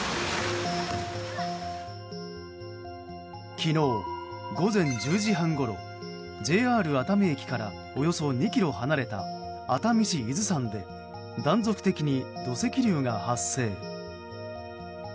昨日午前１０時半ごろＪＲ熱海駅からおよそ２ｋｍ離れた熱海市伊豆山で断続的に土石流が発生。